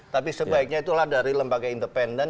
tapi sebaiknya itulah dari lembaga independen